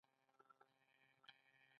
آیا د پښتو پالل زموږ دنده نه ده؟